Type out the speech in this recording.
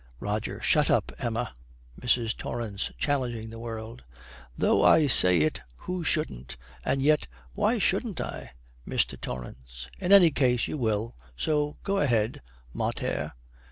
ROGER. 'Shut up, Emma.' MRS. TORRANCE, challenging the world, 'Though I say it who shouldn't and yet, why shouldn't I?' MR. TORRANCE. 'In any case you will so go ahead, "mater."'